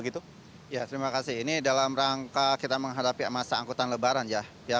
terima kasih ini dalam rangka kita menghadapi masa angkutan lebaran ya